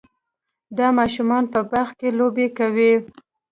دا ماشوم په باغ کې لوبې کوي.